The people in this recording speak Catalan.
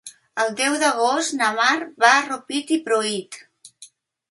El deu d'agost na Mar va a Rupit i Pruit.